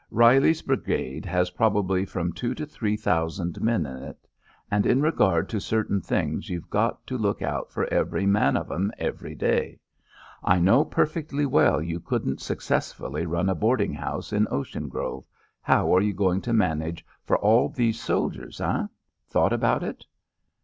Reilly's brigade has probably from two to three thousand men in it, and in regard to certain things you've got to look out for every man of 'em every day. I know perfectly well you couldn't successfully run a boarding house in Ocean Grove. How are you going to manage for all these soldiers, hey? Thought about it?"